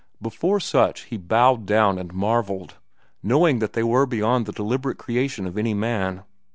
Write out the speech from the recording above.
Before such he bowed down and marvelled, knowing that they were beyond the deliberate creation of any man.